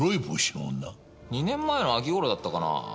２年前の秋頃だったかなあ。